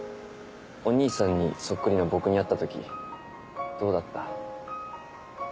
お兄さんにそっくりな僕に会ったときどうだった？